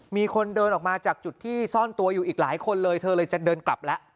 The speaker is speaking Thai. มีคนเดินออกมาจากจุดที่ซ่อนตัวอยู่อีกหลายคนเลยเธอเลยจะเดินกลับแล้ว